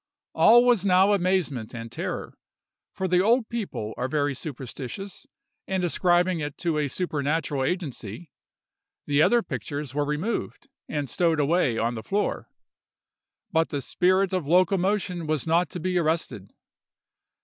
All was now amazement and terror, for the old people are very superstitious, and ascribing it to a supernatural agency, the other pictures were removed, and stowed away on the floor. But the spirit of locomotion was not to be arrested.